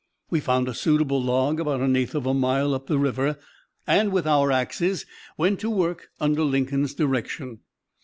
We found a suitable log about an eighth of a mile up the river, and with our axes went to work under Lincoln's direction.